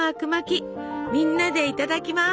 みんなでいただきます！